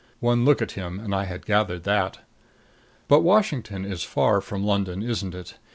One look at him and I had gathered that. But Washington is far from London, isn't it?